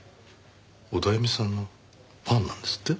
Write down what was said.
オダエミさんのファンなんですって？